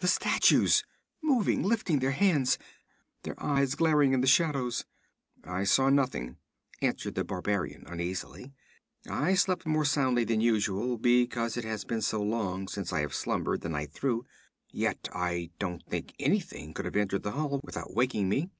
The statues, moving, lifting their hands, their eyes glaring in the shadows?' 'I saw nothing,' answered the barbarian uneasily. 'I slept more soundly than usual, because it has been so long since I have slumbered the night through; yet I don't think anything could have entered the hall without waking me.'